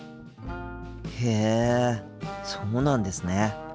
へえそうなんですね。